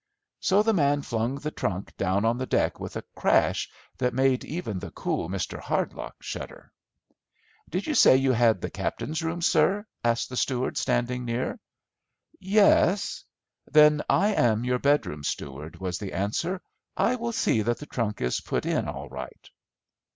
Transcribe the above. So the man flung the trunk down on the deck with a crash that made even the cool Mr. Hardlock shudder. "Did you say you had the captain's room, sir?" asked the steward standing near. "Yes." "Then I am your bedroom steward," was the answer; "I will see that the trunk is put in all right."